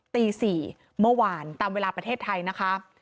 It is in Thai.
ตี๔เมื่อวานตามเวลาประเทศไทยนะคะ